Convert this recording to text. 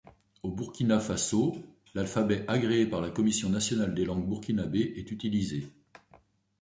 Au Burkina Faso, l’alphabet agréé par la Commission nationale des langues burkinabé est utilisé.